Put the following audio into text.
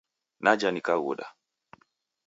Naja nikaghuda